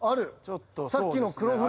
さっきの黒船。